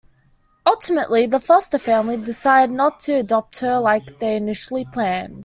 Ultimately, the foster family decide not to adopt her like they initially planned.